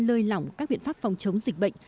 lơi lỏng các biện pháp phòng chống dịch bệnh